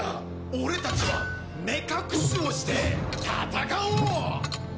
俺たちは目隠しをして戦おう！